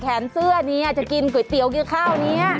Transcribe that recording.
เสื้อนี้จะกินก๋วยเตี๋ยวกินข้าวนี้